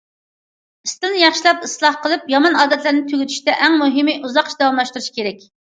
ئىستىلنى ياخشىلاپ، ئىسلاھ قىلىپ، يامان ئادەتلەرنى تۈگىتىشتە، ئەڭ مۇھىمى ئۇزاققىچە داۋاملاشتۇرۇش كېرەك.